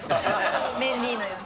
メンディーのように。